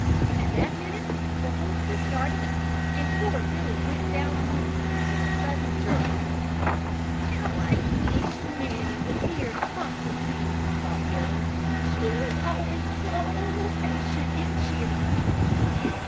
At that minute the horses started up and poor Billy went down on his knees with a sudden jerk. "How I wish Nanny was here to comfort me," thought Billy. "She was always so patient and cheerful."